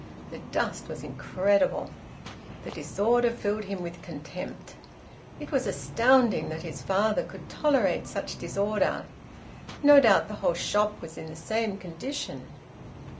The dust was incredible. The disorder filled him with contempt. It was astounding that his father could tolerate such disorder; no doubt the whole shop was in the same condition.